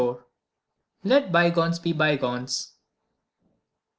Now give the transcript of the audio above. Let Bygones Be Bygones.